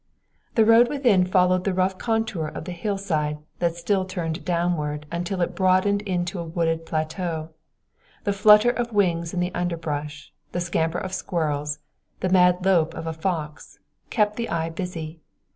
The road within followed the rough contour of the hillside, that still turned downward until it broadened into a wooded plateau. The flutter of wings in the underbrush, the scamper of squirrels, the mad lope of a fox, kept the eye busy.